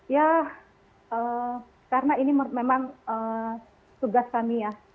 ya karena ini memang tugas kami ya